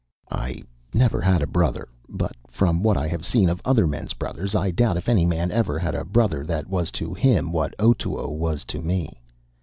I never had a brother; but from what I have seen of other men's brothers, I doubt if any man ever had a brother that was to him what Otoo was to me.